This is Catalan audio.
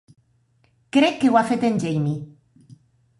Crec que ho ha fet en Jamie.